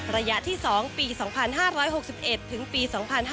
ระยะที่๒ปี๒๕๖๑ถึงปี๒๕๕๙